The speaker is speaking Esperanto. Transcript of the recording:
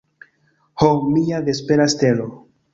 Ho, mia vespera stelo!